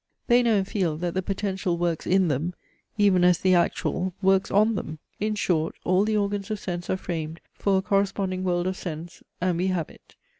They know and feel, that the potential works in them, even as the actual works on them! In short, all the organs of sense are framed for a corresponding world of sense; and we have it.